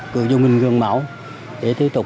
cựu dung minh gương máu để tiếp tục